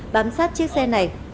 bám sát chiếc xe này